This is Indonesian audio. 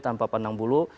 tanpa pandang bulu